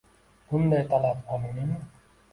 Bunday talab qonuniymi?